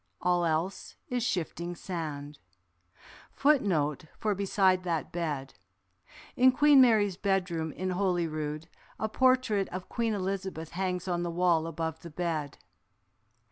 All else is shifting sand. In Queen Mary's bedroom in Holyrood, a portrait of Queen Elizabeth hangs on the wall above the bed.